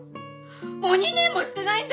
もう２年もしてないんだよ！